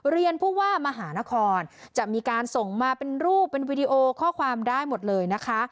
ผู้ว่ามหานครจะมีการส่งมาเป็นรูปเป็นวีดีโอข้อความได้หมดเลยนะคะ